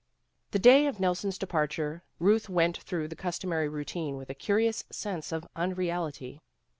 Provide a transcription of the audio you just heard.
The day of Nelson's departure Euth went through the customary routine with a curious sense of unreality.